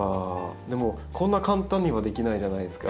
でもこんな簡単にはできないじゃないですか。